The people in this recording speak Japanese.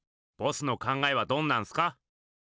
ボスの考えはどんなんすか？